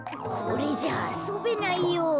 これじゃあそべないよ。